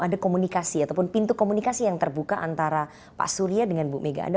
ada komunikasi ataupun pintu komunikasi yang terbuka antara pak surya dengan bu mega